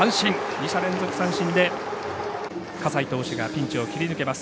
二者連続三振で葛西投手がピンチを切り抜けます。